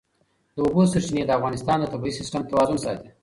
د اوبو سرچینې د افغانستان د طبعي سیسټم توازن ساتي.